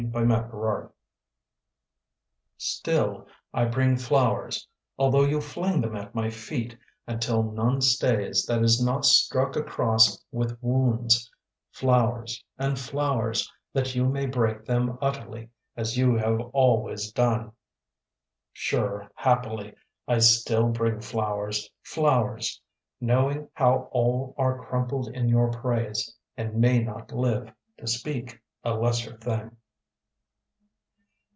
Ad Infinitum Still I bring flowers Although you fling them at my feet Until none stays That is not struck across with wounds: Flowers and flowers That you may break them utterly As you have always done. Sure happily I still bring flowers, flowers, Knowing how all Are crumpled in your praise And may not live To speak a lesser thing.